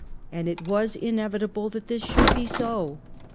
And it was inevitable that this should be so.